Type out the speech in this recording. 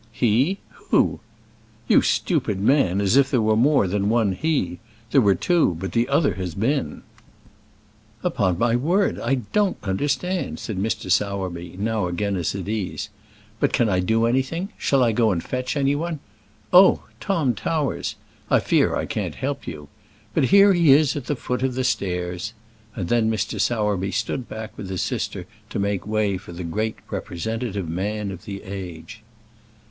"He? who?" "You stupid man as if there were more than one he! There were two, but the other has been." "Upon my word, I don't understand," said Mr. Sowerby, now again at his ease. "But can I do anything? shall I go and fetch any one? Oh, Tom Towers! I fear I can't help you. But here he is at the foot of the stairs!" And then Mr. Sowerby stood back with his sister to make way for the great representative man of the age.